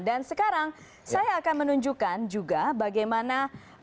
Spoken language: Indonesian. dan sekarang saya akan menunjukkan juga bagaimana